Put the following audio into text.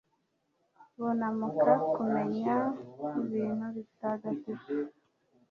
bunamuha kumenya ibintu bitagatifu